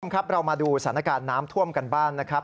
ครับเรามาดูสถานการณ์น้ำท่วมกันบ้างนะครับ